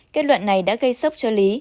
kết luận này đã gây sốc cho ly